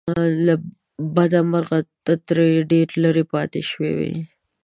له بده بخته ته ترې ډېر لرې پاتې شوی يې .